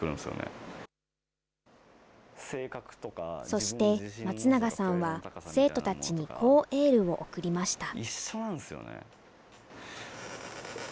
そして松永さんは、生徒たちにこうエールを送りました。